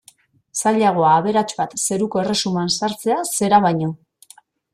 Zailagoa aberats bat zeruko erresuman sartzea zera baino.